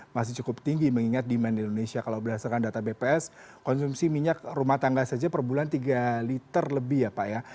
masih cukup tinggi mengingat demand di indonesia kalau berdasarkan data bps konsumsi minyak rumah tangga saja per bulan tiga liter lebih ya pak ya